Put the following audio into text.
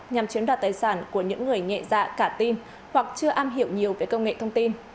nhằm chiếm đoạt tài sản của những người nhẹ dạ cả tin hoặc chưa am hiểu nhiều về công nghệ thông tin